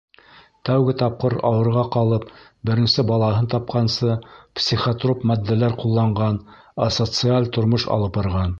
Тәүге тапҡыр ауырға ҡалып, беренсе балаһын тапҡансы психотроп матдәләр ҡулланған, асоциаль тормош алып барған.